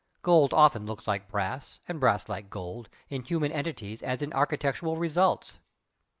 Gold often looks like brass and brass like gold, in human entities as in architectural results."